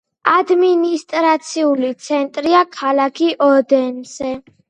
ადმინისტრაციული ცენტრია ქალაქი ოდენსე.